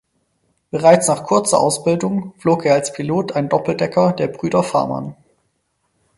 Bereits nach kurzer Ausbildung flog er als Pilot einen Doppeldecker der Brüder Farman.